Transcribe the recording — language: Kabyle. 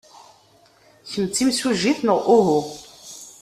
Kemm d timsujjit neɣ uhu?